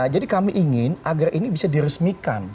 jadi kami ingin agar ini bisa diresmikan